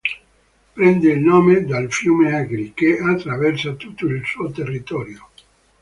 Prende il nome dal fiume Agri, che attraversa tutto il suo territorio.